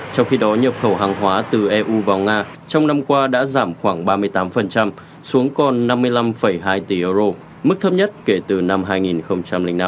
trong khi đó nhập khẩu hàng hóa từ eu vào nga trong năm qua đã giảm khoảng ba mươi tám xuống còn năm mươi năm hai tỷ euro mức thấp nhất kể từ năm hai nghìn năm